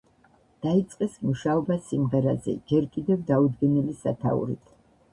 დაიწყეს მუშაობა სიმღერაზე ჯერ კიდევ დაუდგენელი სათაურით.